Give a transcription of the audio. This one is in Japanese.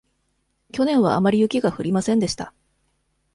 去年はあまり雪が降りませんでした。